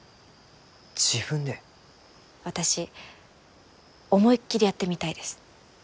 私思いっきりやってみたいです。